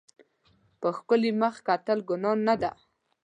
په ښکلي مخ کتل ګناه نه ده.